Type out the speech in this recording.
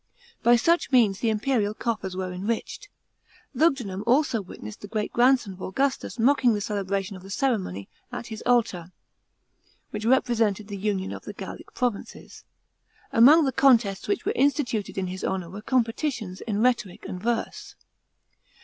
By such means the imperial coffers were enriched. Lugudunum also witnessed the great grand son of Augustus mocking the celebration of the ceremony at his Altar, which represented the union of the Gallic provinces. Among the contests which were instituted in his honour were competitions in rhetoric and verse.